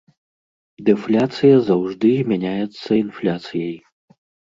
Дэфляцыя заўжды змяняецца інфляцыяй.